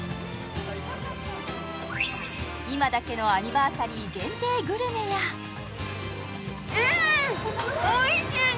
今だけのアニバーサリー限定グルメやうん！